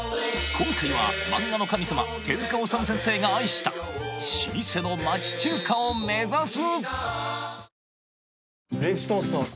今回は漫画の神様手治虫先生が愛した老舗の町中華を目指す！